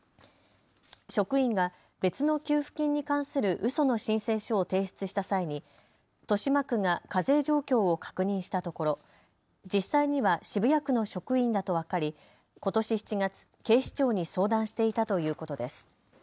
職員が別の給付金に関するうその申請書を提出した際に豊島区が課税状況を確認したところ実際には渋谷区の職員だと分かりことし７月、警視庁に相談していたということです。